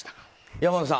山田さん